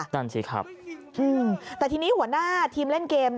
แต่ทีนี้หัวหน้าทีมเล่นเกม